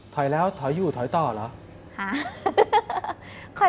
ถอยแล้วถอยอยู่ถอยต่อเหรอ